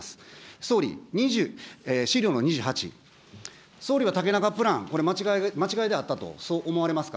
総理、資料の２８、総理は、竹中プラン、これ間違いであったとそう思われますか。